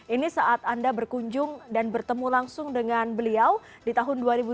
ini saat anda berkunjung dan bertemu langsung dengan beliau di tahun dua ribu dua puluh